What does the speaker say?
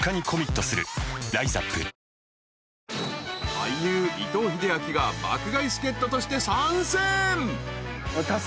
［俳優伊藤英明が爆買い助っ人として参戦］